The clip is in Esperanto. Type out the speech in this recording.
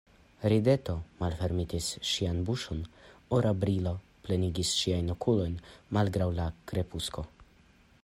Rideto malfermetis ŝian buŝon, ora brilo plenigis ŝiajn okulojn, malgraŭ la krepusko.